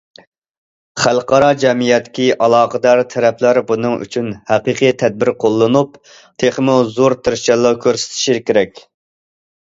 خەلقئارا جەمئىيەتتىكى ئالاقىدار تەرەپلەر بۇنىڭ ئۈچۈن ھەقىقىي تەدبىر قوللىنىپ، تېخىمۇ زور تىرىشچانلىق كۆرسىتىشى كېرەك.